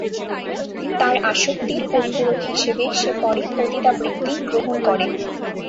তার আসক্তির পরিপূরক হিসাবে সে পরে পতিতাবৃত্তি গ্রহণ করে।